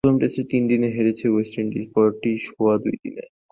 প্রথম টেস্ট তিন দিনে হেরেছে ওয়েস্ট ইন্ডিজ, পরেরটি সোয়া দুই দিনে।